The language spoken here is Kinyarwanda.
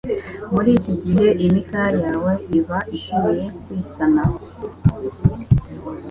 Muri iki gihe imikaya yawe iba ikeneye kwisana